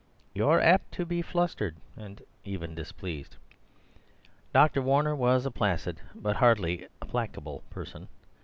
you are apt to be flustered and even displeased. Dr. Warner was a placid but hardly a placable person.